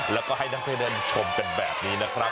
แล้วก็ให้นักเที่ยวนั้นชมกันแบบนี้นะครับ